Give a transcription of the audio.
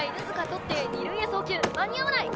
捕って二塁へ送球間に合わない！